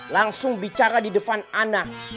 langsung bicara di depan anak